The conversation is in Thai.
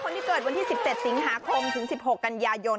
คนที่เกิดวันที่๑๗สิงหาคมถึง๑๖กันยายน